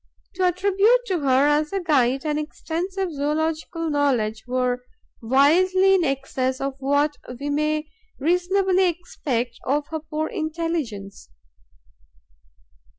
To attribute to her as a guide an extensive zoological knowledge were wildly in excess of what we may reasonably expect of her poor intelligence.